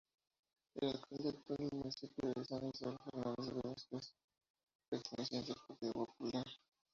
El alcalde actual del municipio es Ana Isabel Fernández Blázquez, perteneciente al Partido Popular.